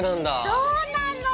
そうなの。